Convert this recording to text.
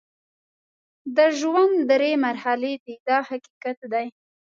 د ژوند درې مرحلې دي دا حقیقت دی.